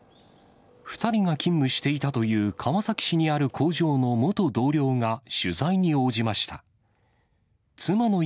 ２人が勤務していたという川崎市にある工場の元同僚が取材に応じました。